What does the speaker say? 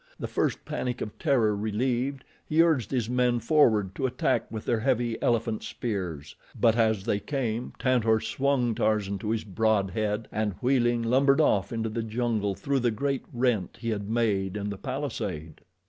The first panic of terror relieved, he urged his men forward to attack with their heavy elephant spears; but as they came, Tantor swung Tarzan to his broad head, and, wheeling, lumbered off into the jungle through the great rent he had made in the palisade.